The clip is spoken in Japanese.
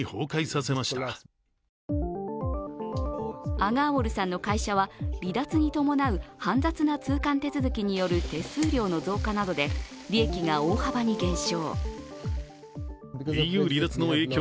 アガーウォルさんの会社は離脱に伴う煩雑な通関手続きによる手数料の増加などで利益が大幅に減少。